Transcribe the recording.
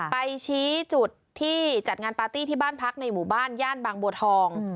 ไปชี้จุดที่จัดงานปาร์ตี้ที่บ้านพักในหมู่บ้านย่านบางบัวทอง